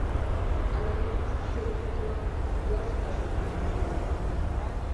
Hala ere, preskripzio dekretuak buruhauste asko ekarri dizkiela esan du.